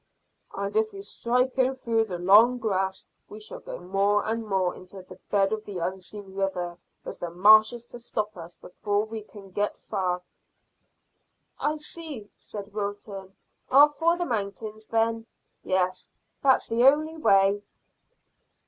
"And if we strike in through the long grass we shall go more and more into the bed of the unseen river, with the marshes to stop us before we can get far." "I see," said Wilton. "Off for the mountains, then. Yes, that's the only way."